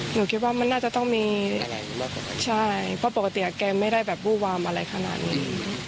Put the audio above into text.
หนูคิดว่ามันน่าจะต้องมีใช่เพราะปกติแกไม่ได้แบบวู้วามอะไรขนาดนี้